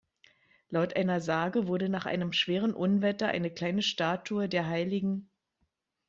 Laut einer Sage wurde nach einem schweren Unwetter eine kleine Statue der Hl.